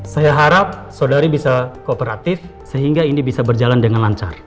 saya harap saudari bisa kooperatif sehingga ini bisa berjalan dengan lancar